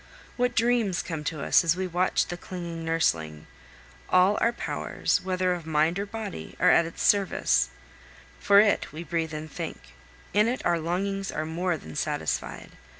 What dreams come to us as we watch the clinging nursling! All our powers, whether of mind or body, are at its service; for it we breathe and think, in it our longings are more than satisfied!